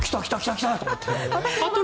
来た！と思って。